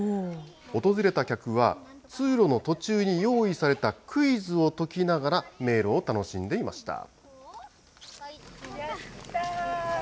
訪れた客は、通路の途中に用意されたクイズを解きながら、迷路を楽しんでいました。